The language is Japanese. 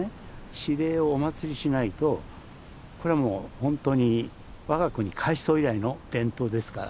地霊をお祀りしないとこれはもう本当に我が国開創以来の伝統ですから。